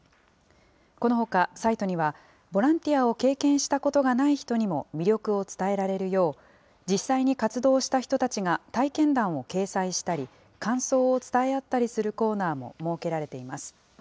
このほかサイトには、ボランティアを経験したことがない人にも魅力を伝えられるよう、実際に活動した人たちが体験談を掲載したり感想を伝え合ったりするコーナーも設けられています。